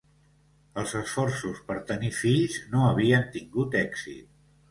Els esforços per tenir fills no havien tingut èxit.